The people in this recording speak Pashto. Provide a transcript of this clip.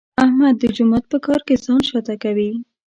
احمد د جومات په کار کې ځان شاته کوي.